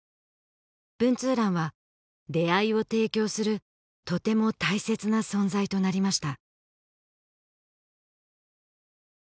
文通欄は出会いを提供するとても大切な存在となりました